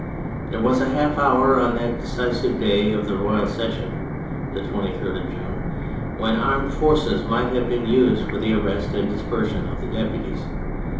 There was a half hour on that decisive day of the Royal Session, the 28rd of June, when armed force might have been used for the arrest and dispersion of the Deputies.